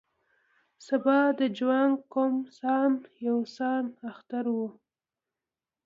سبا د جوانګ قوم سان یو سان اختر و.